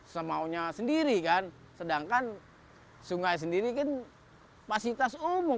semaunya sendiri kan sedangkan sungai sendiri kan fasilitas umum